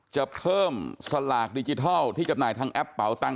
จะเพิ่มสลากดิจิทัลที่จำหน่ายทางแอปเป่าตังค